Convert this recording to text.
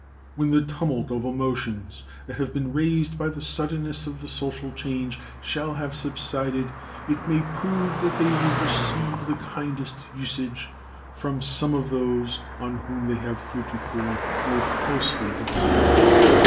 When the tumult of emotions that have been raised by the suddenness of the social change shall have subsided, it may prove that they will receive the kindest usage from some of those on whom they have heretofore most closely depended.